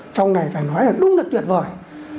trong này phải nói là đúng là tuyệt vời